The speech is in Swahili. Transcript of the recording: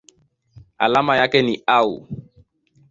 Alama yake ni Au.